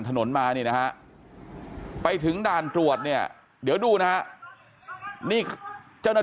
ถนนมานี่นะฮะไปถึงด่านตรวจเนี่ยเดี๋ยวดูนะฮะนี่เจ้าหน้าที่